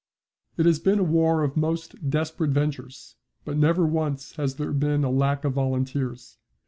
It has been a war of most desperate ventures, but never once has there been a lack of volunteers.